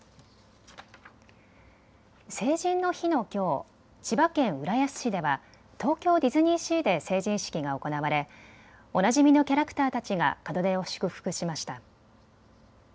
成人の日のきょう、千葉県浦安市では東京ディズニーシーで成人式が行われおなじみのキャラクターたちが門出を祝福しました。